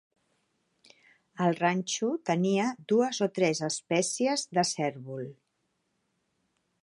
El ranxo tenia dues o tres espècies de cérvol.